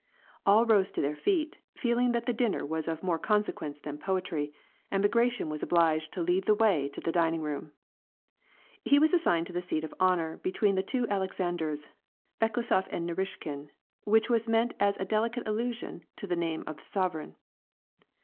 All rose to their feet, feeling that the dinner was of more consequence than poetry, and Bagration was obliged to lead the way to the dining room. He was assigned to the seat of honor between the two Alexanders, Bekleshof and Karuishkin, which was meant as a delicate allusion to the name of the sov ereign.